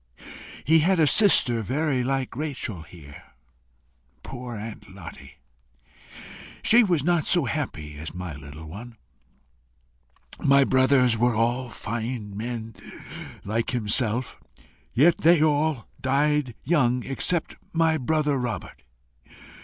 He had a sister very like Rachel here. Poor Aunt Lottie! She was not so happy as my little one. My brothers were all fine men like himself, yet they all died young except my brother Robert.